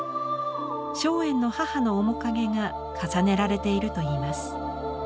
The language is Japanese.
松園の母の面影が重ねられているといいます。